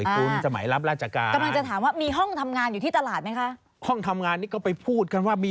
ต้องใช้คำนี้